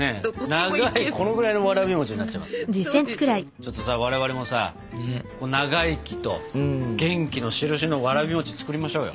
ちょっとさ我々もさ長生きと元気のしるしのわらび餅作りましょうよ。